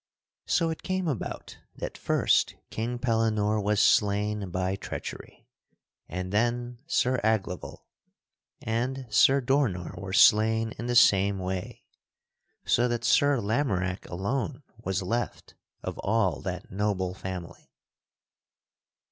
So it came about that first King Pellinore was slain by treachery, and then Sir Aglaval and Sir Dornar were slain in the same way, so that Sir Lamorack alone was left of all that noble family.